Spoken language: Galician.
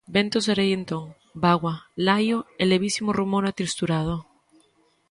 Vento serei entón: bágoa, laio e levísimo rumor atristurado.